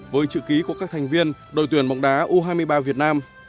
với chữ ký của các thành viên đội tuyển bóng đá u hai mươi ba việt nam